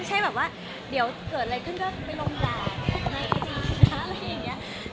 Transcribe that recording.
ใช่แบบว่าเดี๋ยวเกิดอะไรขึ้นก็ไปลงด่าในคดีนะอะไรอย่างนี้